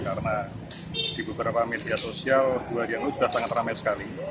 karena di beberapa media sosial dua yang sudah sangat ramai sekali